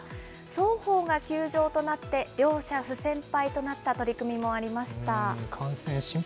双方が休場となって、両者不戦敗となった取組もありました。